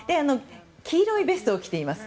黄色いベストを着ています。